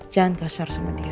jangan kasar sama dia